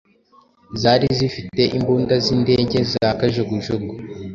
zari zifite imbunda z'indege za Kajugujugu